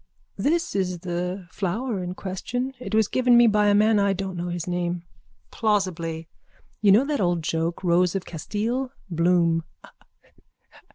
_ This is the flower in question. It was given me by a man I don't know his name. (Plausibly.) You know that old joke, rose of Castile. Bloom.